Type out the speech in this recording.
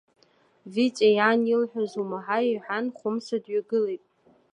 Витиа, сан илҳәаз умаҳаи, — иҳәан Хәымса дҩагылеит.